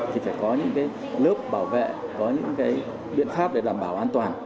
thì phải có những lớp bảo vệ có những biện pháp để đảm bảo an toàn